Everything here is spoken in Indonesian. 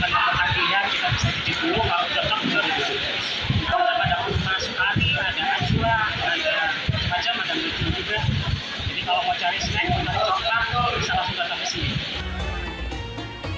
jadi kalau mau cari senang mau mencicipi bisa langsung datang ke sini